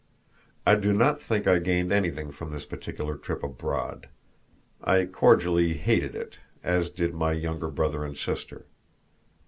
I do not think I gained anything from this particular trip abroad. I cordially hated it, as did my younger brother and sister.